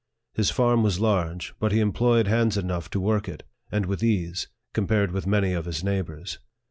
His farm was large, but he employed hands enough to work it, and with ease, compared with many of his neighbors.